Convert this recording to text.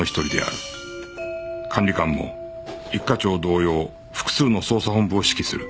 管理官も一課長同様複数の捜査本部を指揮する